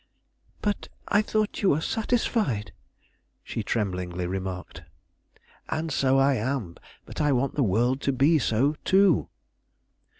"But I thought you were satisfied?" she tremblingly remarked. "And so I am; but I want the world to be so, too."